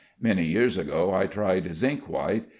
Many years ago I tried zinc white.